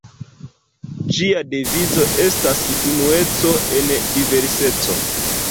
Ĝia devizo estas 'unueco en diverseco.